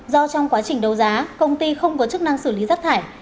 do trong quá trình đấu giá công ty không có chức năng xử lý rác thải